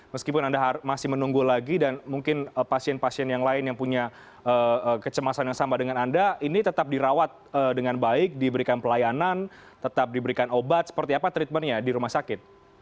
meskipun anda masih menunggu lagi dan mungkin pasien pasien yang lain yang punya kecemasan yang sama dengan anda ini tetap dirawat dengan baik diberikan pelayanan tetap diberikan obat seperti apa treatmentnya di rumah sakit